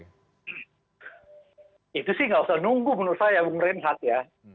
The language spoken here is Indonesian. itu sih nggak usah nunggu menurut saya bang rai